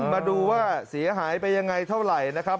มาดูว่าเสียหายไปยังไงเท่าไหร่นะครับ